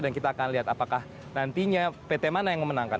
dan kita akan lihat apakah nantinya pt mana yang menangkan